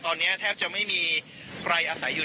ตอนนี้แทบจะไม่มีใครอาศัยอยู่